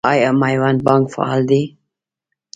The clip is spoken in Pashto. آیا میوند بانک فعال دی؟